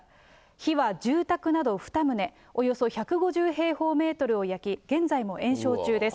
火は住宅など２棟、およそ１５０平方メートルを焼き、現在も延焼中です。